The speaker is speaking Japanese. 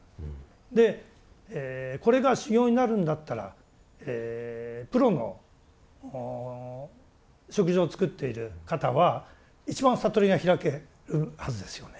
でこれが修行になるんだったらプロの食事を作っている方は一番悟りが開けるはずですよね。